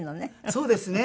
そうですね。